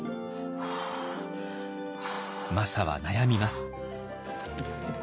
マサは悩みます。